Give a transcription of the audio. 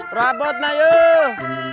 perabot na yuk